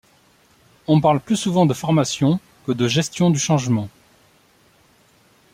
On parle plus souvent de Formation que de Gestion du changement.